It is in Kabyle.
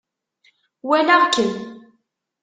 Walaɣ-kem.